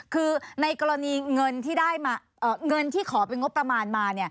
คือในกรณีเงินที่ได้เงินที่ขอเป็นงบประมาณมา